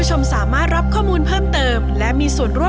โหลดแล้ว